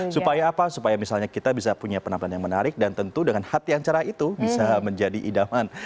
supaya apa supaya misalnya kita bisa punya penampilan yang menarik dan tentu dengan hati yang cerah itu bisa menjadi idaman